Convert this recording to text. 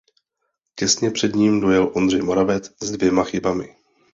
Těsně před ním dojel Ondřej Moravec s dvěma chybami.